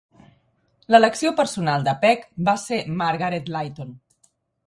L'elecció personal de Peck va ser Margaret Leighton.